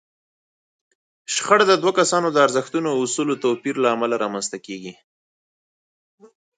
شخړه د دوو کسانو د ارزښتونو او اصولو د توپير له امله رامنځته کېږي.